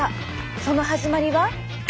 その始まりは。